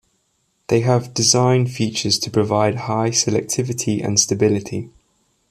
They have design features to provide high selectivity and stability.